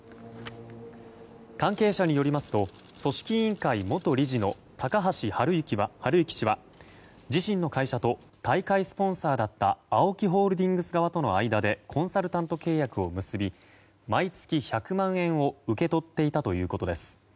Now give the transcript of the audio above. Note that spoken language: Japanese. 関係者によりますと組織委員会元理事の高橋治之氏は自身の会社と大会スポンサーだったＡＯＫＩホールディングス側との間でコンサルタント契約を結び毎月１００万円を受け取っていたということです。